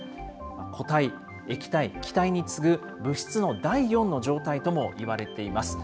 固体、液体、気体に次ぐ、物質の第４の状態ともいわれています。